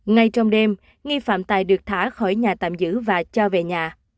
ngay trong đêm nghi phạm tài được thả khỏi nhà tạm giữ và cho về nhà